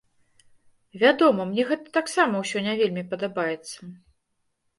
Вядома, мне гэта таксама ўсё не вельмі падабаецца.